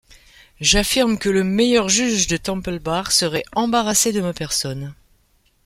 j’affirme que le meilleur juge de Temple-Bar serait embarrassé de ma personne !